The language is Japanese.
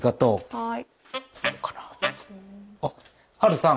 はい。